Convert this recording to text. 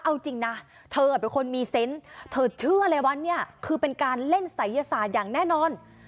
เอาจริงนะเธอเป็นคนมีเซนต์เธอเชื่อเลยว่าเนี่ยคือเป็นการเล่นศัยศาสตร์อย่างแน่นอน